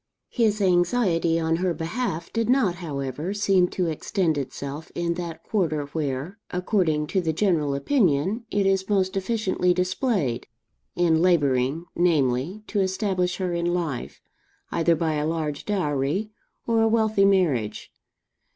His anxiety on her behalf did not, however, seem to extend itself in that quarter where, according to the general opinion, it is most efficiently displayed, in labouring, namely, to establish her in life, either by a large dowry or a wealthy marriage.